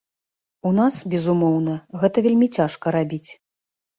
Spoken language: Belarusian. У нас, безумоўна, гэта вельмі цяжка рабіць.